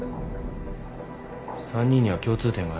３人には共通点がある。